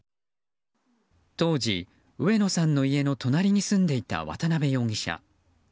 当時、上野さんの家の隣に住んでいた渡部容疑者。